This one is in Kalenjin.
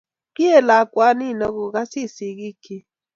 kiet lakwet nino ko kas it sigiik chich